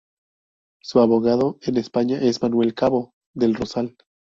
Su abogado en España es Manuel Cobo del Rosal.